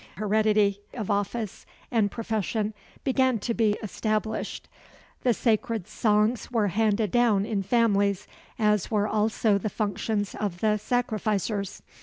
Heredity of office and profession began to be established. The sacred songs were handed down in families, as were also the functions of the sacrificers.